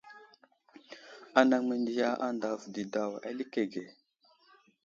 Anaŋ məndiya andav didaw alikege.